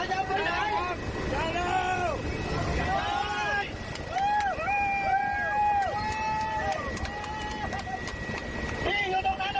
ใจมั้ยขอเชื่อให้ผมเห็นไหนแล้ว